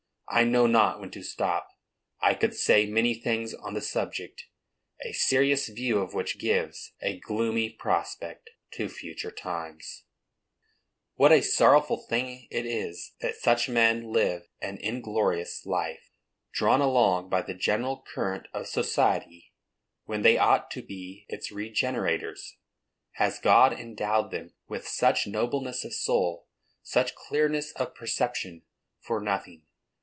I know not when to stop. I could say many things on the subject, a serious view of which gives a gloomy prospect to future times! What a sorrowful thing it is that such men live an inglorious life, drawn along by the general current of society, when they ought to be its regenerators! Has God endowed them with such nobleness of soul, such clearness of perception, for nothing?